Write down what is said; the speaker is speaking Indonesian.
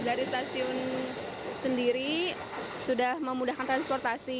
dari stasiun sendiri sudah memudahkan transportasi